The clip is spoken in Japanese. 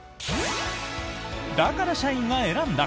だから社員が選んだ！